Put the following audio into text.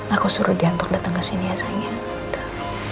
aku suruh dia untuk datang kesini ya sayang